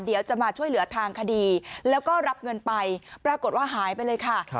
เดี๋ยวจะมาช่วยเหลือทางคดีแล้วก็รับเงินไปปรากฏว่าหายไปเลยค่ะ